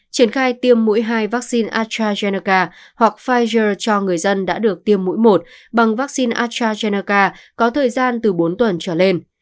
triển khai tiêm mũi hai vaccine astrazeneca hoặc pfizer cho người dân đã được tiêm mũi một bằng vaccine astrazeneca có thời gian từ bốn tuần trở lên